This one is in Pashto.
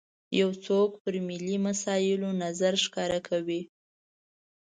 یو څوک پر ملي مسایلو نظر ښکاره کوي.